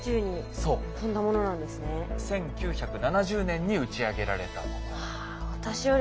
１９７０年に打ち上げられたもの。